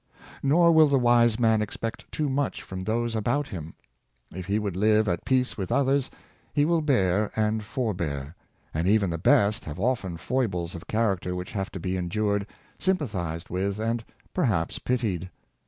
Nor will the wise man expect too much from those about him If he would live at peace with others, he will bear and forbear. And even the best have often foibles of character which have to be endured, sympa thized with, and perhaps pitied.